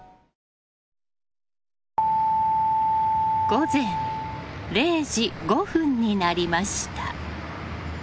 午前０時５分になりました。